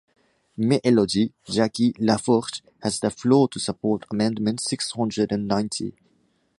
Mme Élodie Jacquier-Laforge has the floor to support amendment six hundred and ninety.